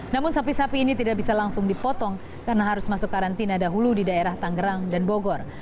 namun sapi sapi ini tidak bisa langsung dipotong karena harus masuk karantina dahulu di daerah tangerang dan bogor